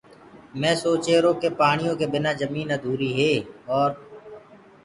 مينٚ سوچهيرو ڪي پآڻيو بنآ جمين اڌوريٚ هي اور